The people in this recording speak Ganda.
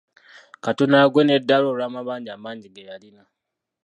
Katono agwe n'eddalu olw'amabanja amangi ge yalina.